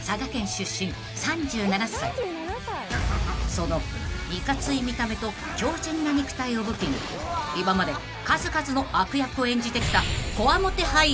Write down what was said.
［そのいかつい見た目と強靱な肉体を武器に今まで数々の悪役を演じてきた］